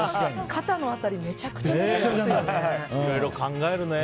肩の辺りめちゃくちゃ濡れますよね。